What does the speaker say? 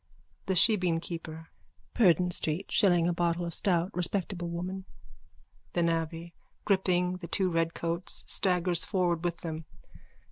THE SHEBEENKEEPER: Purdon street. Shilling a bottle of stout. Respectable woman. THE NAVVY: _(Gripping the two redcoats, staggers forward with them.)